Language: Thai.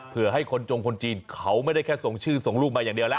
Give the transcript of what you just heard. เพื่อให้คนจงคนจีนเขาไม่ได้แค่ส่งชื่อส่งรูปมาอย่างเดียวแล้ว